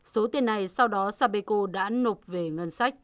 số tiền này sau đó sapeco đã nộp về ngân sách